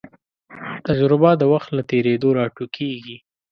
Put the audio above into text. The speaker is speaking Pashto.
تجربه د وخت له تېرېدو راټوکېږي.